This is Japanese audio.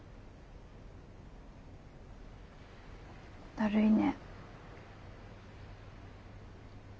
だるいね。